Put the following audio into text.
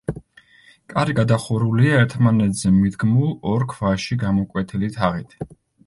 კარი გადახურულია ერთმანეთზე მიდგმულ ორ ქვაში გამოკვეთილი თაღით.